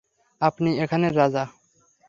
আপনি এখানের রাজা।